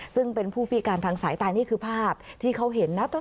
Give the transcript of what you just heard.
ซึ่งเป็นผู้พิการทางสายตานี่คือภาพที่เขาเห็นนะ